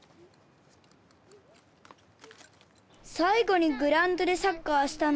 さい後にグラウンドでサッカーしたの１年前？